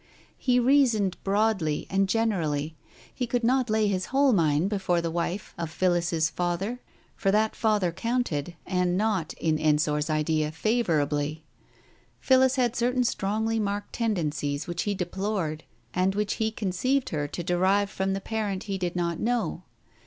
He reasoned broadly, and generally ; he could not lay his whole mind before the wife of Phillis's father. For that father counted, and not, in Ensor's idea, favourably. Phillis had certain strongly marked tendencies which he deplored, and which he conceived her to derive from the parent he did not know.